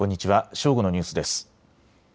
正午のニュースです。